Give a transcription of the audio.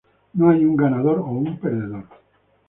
No hay un ganador o un perdedor.